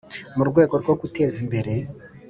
mu rwego rwo guteza imbere